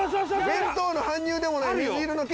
弁当の搬入でもない水色の軽！